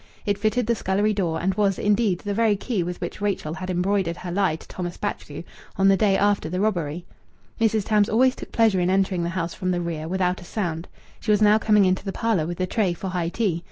It fitted the scullery door, and was, indeed, the very key with which Rachel had embroidered her lie to Thomas Batchgrew on the day after the robbery. Mrs. Tams always took pleasure in entering the house from the rear, without a sound. She was now coming into the parlour with the tray for high tea.